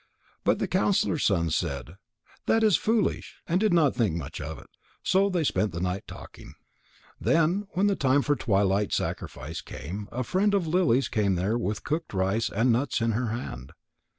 But the counsellor's son said: "That is foolish," and did not think much of it. So they spent the night talking. Then when the time for the twilight sacrifice came, a friend of Lily's came there with cooked rice and nuts in her hand.